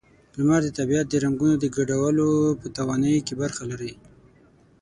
لمر د طبیعت د رنگونو د ګډولو په توانایۍ کې برخه لري.